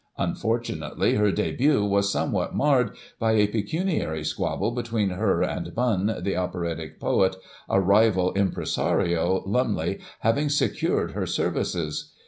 Unfortunately her debut was somewhat marred by a pecuniary squabble between her and Bunn, the operatic poet, a rival impresariOy Lumley, having secured her services.